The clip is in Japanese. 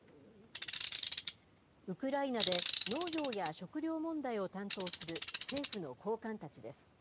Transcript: ウクライナで、農業や食料問題を担当する政府の高官たちです。